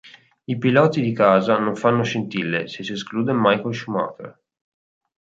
I piloti di casa non fanno scintille, se si esclude Michael Schumacher.